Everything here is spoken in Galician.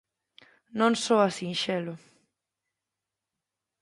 Non soa sinxelo...